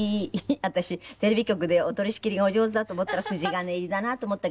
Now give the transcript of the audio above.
私テレビ局でお取り仕切りがお上手だと思ったら筋金入りだなと思ったけど。